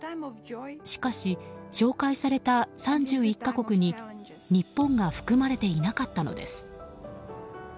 しかし紹介された３１か国に日本が含まれていなかったのです。